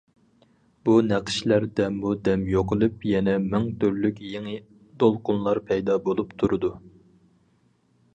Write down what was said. بۇ نەقىشلەر دەممۇ دەم يوقىلىپ، يەنە مىڭ تۈرلۈك يېڭى دولقۇنلار پەيدا بولۇپ تۇرىدۇ.